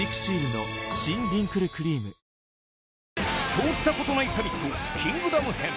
通った事ないサミット『キングダム』編